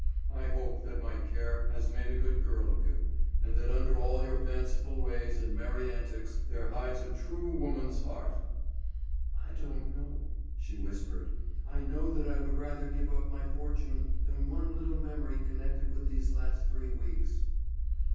I hope that my care has made a good girl of you, and that under all your fanciful ways and merry antics there hides a true woman's heart." "I don't know," she whispered. "I know that I would rather give up my fortune than one little memory connected with these last three weeks."